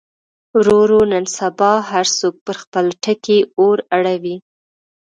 وروره نن سبا هر څوک پر خپله ټکۍ اور اړوي.